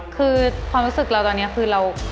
คือความรู้สึกเราตอนนี้คือเรา